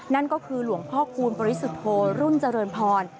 นั่นก็คือหลวงพ่อคูณปริสุทธโธรุ่นเจริญพร